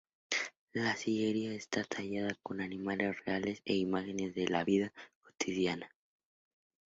La sillería está tallada con animales reales e imágenes de la vida cotidiana.